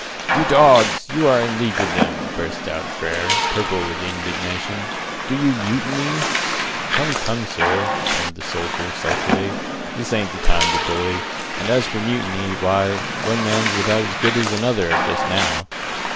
"You dogs, you are in league with them," bursts out Frere, purple with indignation. "Do you mutiny?" "Come, come, sir," returned the soldier, sulkily, "this ain't the time to bully; and, as for mutiny, why, one man's about as good as another just now."